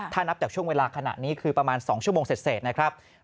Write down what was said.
ถ้านับจากช่วงเวลาขณะนี้คือประมาณ๒ชั่วโมงเสร็จนะครับ